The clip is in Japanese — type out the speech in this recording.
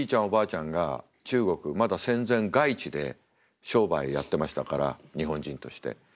おばあちゃんが中国まだ戦前外地で商売をやってましたから日本人として。